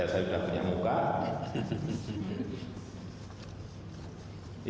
yang kedua ingin cari muka saya